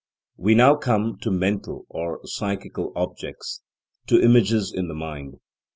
We now come to mental or psychical objects: to images in the mind.